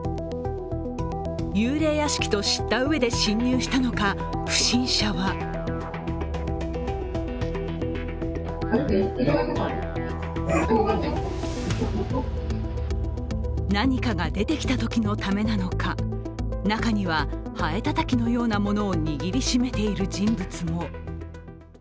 幽霊屋敷と知ったうえで侵入したのか不審者は何かが出てきたときのためなのか、中にははえたたきのようなものを握り締めている人物も。